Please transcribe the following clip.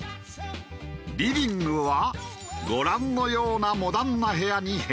リビングはご覧のようなモダンな部屋に変身。